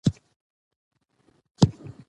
د سولي د ټینګښت لپاره ځوانان مهم رول لري.